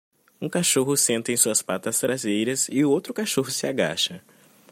Um cachorro senta em suas patas traseiras e outro cachorro se agacha.